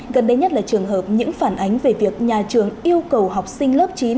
gần đây nhất là trường hợp những phản ánh về việc nhà trường yêu cầu học sinh lớp chín